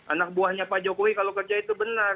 anak buahnya pak jokowi kalau kerja itu benar